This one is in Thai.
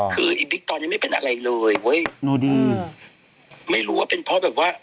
คือไอ้บิ๊กตอนนี้ไม่เป็นอะไรเลยเว้ยดูดีไม่รู้ว่าเป็นเพราะแบบว่า